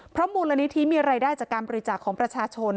เพราะมูลนิธิมีรายได้จากการบริจาคของประชาชน